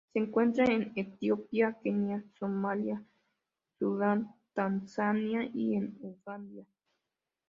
Se encuentra en Etiopía, Kenia, Somalia, Sudán, Tanzania y en Uganda.